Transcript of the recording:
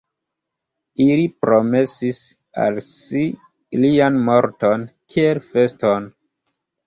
Ili promesis al si lian morton, kiel feston.